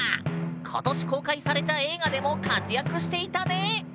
今年公開された映画でも活躍していたね！